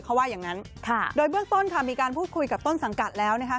เขาว่าอย่างนั้นค่ะโดยเบื้องต้นค่ะมีการพูดคุยกับต้นสังกัดแล้วนะคะ